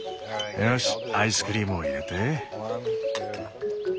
よしアイスクリームを入れて。